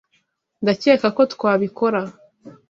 Ndakeka ko twabikora